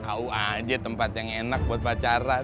au aja tempat yang enak buat pacaran